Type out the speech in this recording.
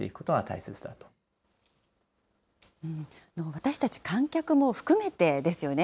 私たち観客も含めてですよね。